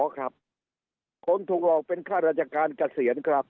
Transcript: ครับคนถูกหลอกเป็นค่าราชการเกษียณครับ